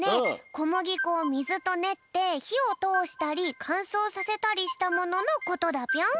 こむぎこをみずとねってひをとおしたりかんそうさせたりしたもののことだぴょん！